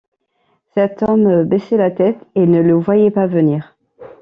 Cet homme baissait la tête et ne le voyait pas venir.